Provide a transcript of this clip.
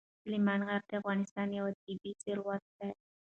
سلیمان غر د افغانستان یو طبعي ثروت دی.